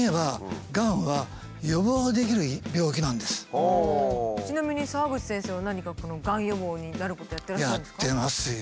逆に言えばちなみに澤口先生は何かがん予防になることやっていらっしゃるんですか？